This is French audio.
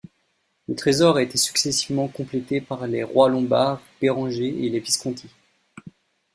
Le trésor a été successivement complété par les rois lombards Bérenger et les Visconti.